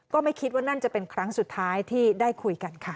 ก็ไม่คิดว่านั่นจะเป็นครั้งสุดท้ายที่ได้คุยกันค่ะ